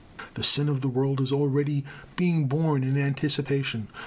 The sin of the world is already being borne in anticipation.